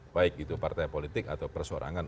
baik itu partai politik atau persorangan